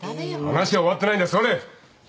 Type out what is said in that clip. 話は終わってないんだ座れ。